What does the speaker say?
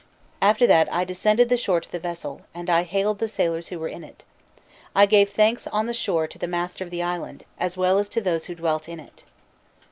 After that I descended the shore to the vessel, and I hailed the sailors who were in it. I gave thanks on the shore to the master of the island, as well as to those who dwelt in it."